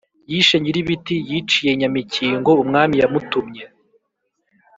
yishe nyir'ibiti, yiciye nyamikingo umwami yamutumye,